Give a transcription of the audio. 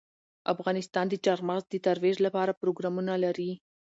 افغانستان د چار مغز د ترویج لپاره پروګرامونه لري.